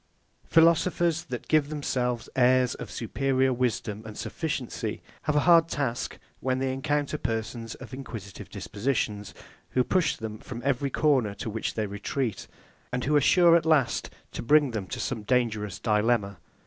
Philosophers, that give themselves airs of superior wisdom and sufficiency, have a hard task when they encounter persons of inquisitive dispositions, who push them from every corner to which they retreat, and who are sure at last to bring them to some dangerous dilemma.